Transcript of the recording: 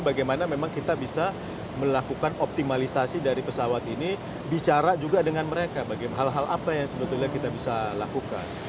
bagaimana memang kita bisa melakukan optimalisasi dari pesawat ini bicara juga dengan mereka hal hal apa yang sebetulnya kita bisa lakukan